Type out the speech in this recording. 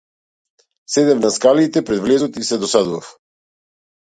Седев на скалите пред влезот и се досадував.